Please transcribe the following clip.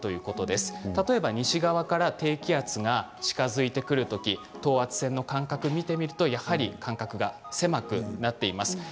例えば、西側から低気圧が近づいてくるとき等圧線の間隔を見てみると間隔が狭くなっています。